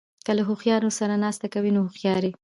که له هوښیارو سره ناسته کوئ؛ نو هوښیار يې.